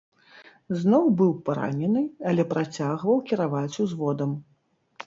Зноў быў паранены, але працягваў кіраваць узводам.